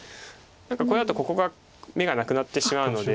何かこれだとここが眼がなくなってしまうので。